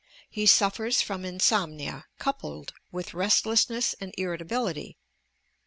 He suffers from insomnia, coupled with rest lessness and irritability.